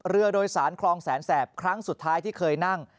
เรือโดยสารคลองแสนแสบครั้งสุดท้ายที่เคยนั่ง